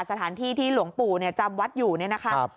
สถานที่ที่หลวงปู่จำวัดอยู่เนี่ยนะครับ